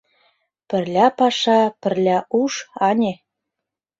Пырля паша, пырля уш, ане.